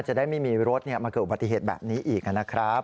จะได้ไม่มีรถมาเกิดอุบัติเหตุแบบนี้อีกนะครับ